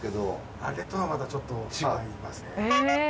あれとはまたちょっと違いますね。